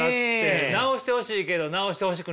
直してほしいけど直してほしくないんです。